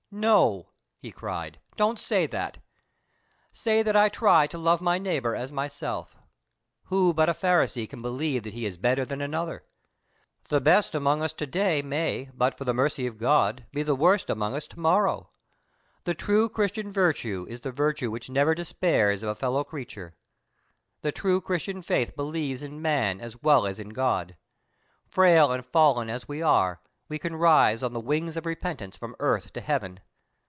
"No!" he cried. "Don't say that! Say that I try to love my neighbor as myself. Who but a Pharisee can believe that he is better than another? The best among us to day may, but for the mercy of God, be the worst among us tomorrow. The true Christian virtue is the virtue which never despairs of a fellow creature. The true Christian faith believes in Man as well as in God. Frail and fallen as we are, we can rise on the wings of repentance from earth to heaven.